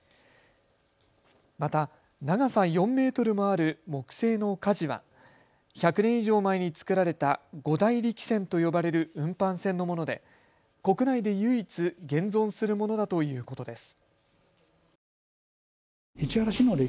また長さ４メートルもある木製のかじは１００年以上前に作られた五大力船と呼ばれる運搬船のもので国内で唯一、現存するものだということです。